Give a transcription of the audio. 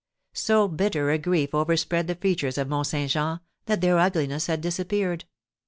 So bitter a grief overspread the features of Mont Saint Jean that their ugliness had disappeared.